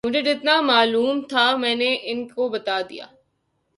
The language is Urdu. مجھے جتنا معلوم تھا وہ میں نے ان کو بتا دیا